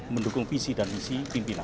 mendukung visi dan misi pimpinan